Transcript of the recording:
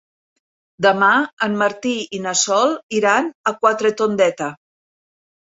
Demà en Martí i na Sol iran a Quatretondeta.